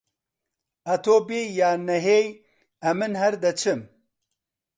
ئەتوو بێی یان نەهێی، ئەمن هەر دەچم.